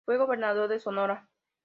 Fue gobernador de Sonora.